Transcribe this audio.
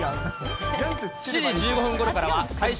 ７時１５分ごろからは最新！